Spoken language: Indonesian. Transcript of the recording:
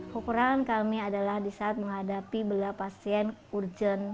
kukuran kami adalah di saat menghadapi belah pasien urgent